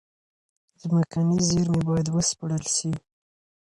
ځمکني زېرمي بايد و سپړل سي.